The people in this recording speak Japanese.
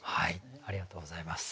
ありがとうございます。